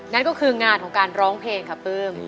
นั่นก็คืองานของการร้องเพลงค่ะปลื้ม